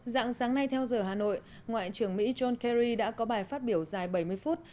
dạng sáng nay theo giờ hà nội ngoại trưởng mỹ john kerry đã có bài phát biểu dài bảy mươi phút